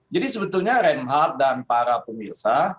jadi sebetulnya rehat dan para pemirsa